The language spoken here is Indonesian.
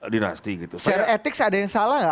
dinasti gitu secara etik ada yang salah nggak